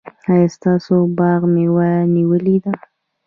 ایا ستاسو باغ مېوه نیولې ده؟